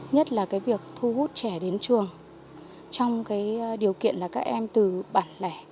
nhất là việc thu hút trẻ đến trường trong điều kiện các em từ bản lẻ